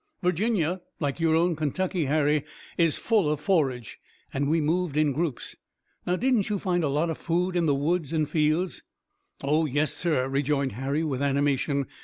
Virginia, like your own Kentucky, Harry, is full of forage, and we moved in groups. Now, didn't you find a lot of food in the woods and fields?" "Oh, yes, sir," rejoined Harry with animation.